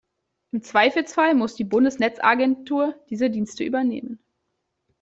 Im Zweifelsfall muss die Bundesnetzagentur diese Dienste übernehmen.